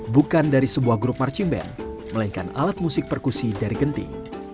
bukan dari sebuah grup marching band melainkan alat musik perkusi dari genting